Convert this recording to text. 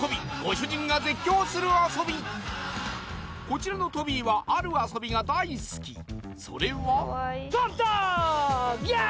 こちらのトビーはある遊びが大好きそれは・Ｙｅｓ！